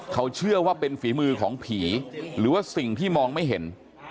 เขาเชื่อว่าเป็นฝีมือของผีหรือว่าสิ่งที่มองไม่เห็น